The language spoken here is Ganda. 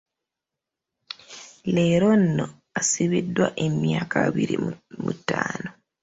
Leero ono asibiddwa emyaka abiri mu etaano.